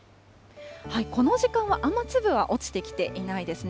この時間は雨粒は落ちてきていないですね。